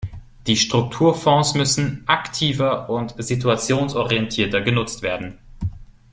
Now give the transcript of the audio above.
Die Strukturfonds müssen aktiver und situationsorientierter genutzt werden.